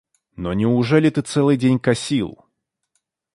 Но неужели ты целый день косил?